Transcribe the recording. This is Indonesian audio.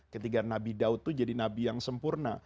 ketika nabi daud itu jadi nabi yang sempurna